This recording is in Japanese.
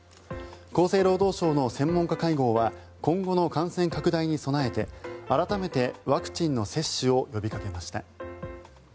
厚生労働省の専門家会合は今後の感染拡大に備えて改めてワクチンの接種を呼びかけました。